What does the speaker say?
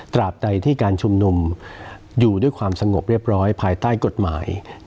บใดที่การชุมนุมอยู่ด้วยความสงบเรียบร้อยภายใต้กฎหมาย